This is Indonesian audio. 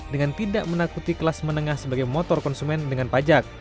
dengan tidak menakuti kelas menengah sebagai motor konsumen dengan pajak